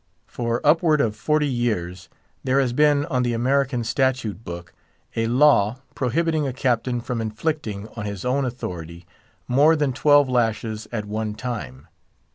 For upward of forty years there has been on the American Statute book a law prohibiting a captain from inflicting, on his own authority, more than twelve lashes at one time.